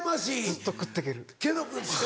ずっと食ってける。